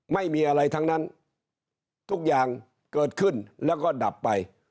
ไม่มีอะไรทั้งนั้นทุกอย่างเกิดขึ้นแล้วก็ดับไป